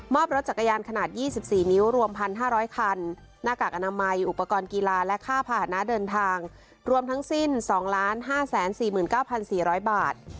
รถจักรยานขนาด๒๔นิ้วรวม๑๕๐๐คันหน้ากากอนามัยอุปกรณ์กีฬาและค่าภาษณะเดินทางรวมทั้งสิ้น๒๕๔๙๔๐๐บาท